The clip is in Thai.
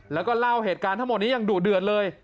แล้วก็เล่าเหตุการณ์ทั้งหมดนี้อย่างดุเดือดเลย